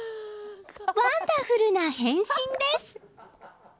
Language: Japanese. ワンダフルな変身です！